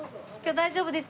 大丈夫です。